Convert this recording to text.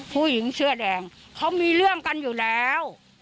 ผู้หญิงเสื้อแดงเขามีเรื่องกันอยู่แล้ว